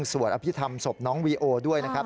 สวดอภิษฐรรมศพน้องวีโอด้วยนะครับ